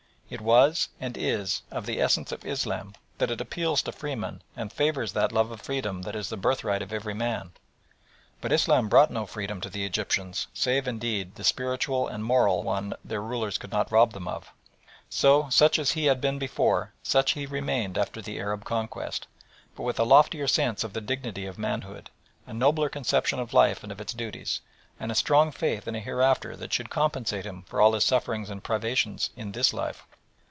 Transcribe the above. It was, and is, of the essence of Islam that it appeals to freemen and favours that love of freedom that is the birthright of every man; but Islam brought no freedom to the Egyptians, save, indeed, the spiritual and moral one their rulers could not rob them of. So such as he had been before, such he remained after the Arab conquest, but with a loftier sense of the dignity of manhood, a nobler conception of life and of its duties, and a stronger faith in a hereafter that should compensate him for all his sufferings and privations in this life.